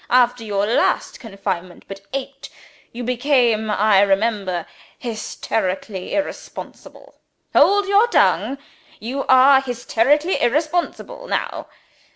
After your last confinement but eight you became, I remember, hysterically irresponsible. Hold your tongue. You are hysterically irresponsible now.